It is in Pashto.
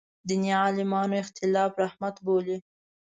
دیني عالمان اختلاف رحمت بولي.